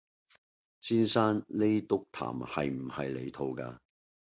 先生，呢篤痰係唔係你吐㗎？